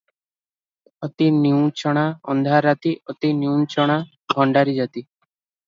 'ଅତି ନିଉଁଛଣା ଅନ୍ଧାର ରାତି, ଅତି ନିଉଁଛଣା ଭଣ୍ତାରି ଜାତି ।'